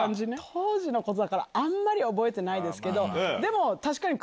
当時のことだからあんまり覚えてないですけど。